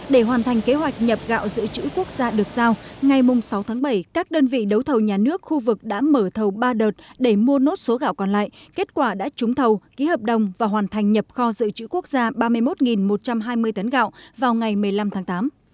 để hoàn thành kế hoạch nhập gạo dự trữ quốc gia được giao ngày sáu tháng bảy các đơn vị đấu thầu nhà nước khu vực đã mở thầu ba đợt để mua nốt số gạo còn lại kết quả đã trúng thầu ký hợp đồng và hoàn thành nhập kho dự trữ quốc gia ba mươi một một trăm hai mươi tấn gạo vào ngày một mươi năm tháng tám